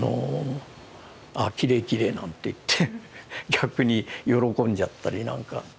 「あきれいきれい」なんて言って逆に喜んじゃったりなんか。